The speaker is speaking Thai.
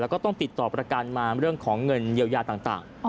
แล้วก็ต้องติดต่อประกันมาเรื่องของเงินเยียวยาต่าง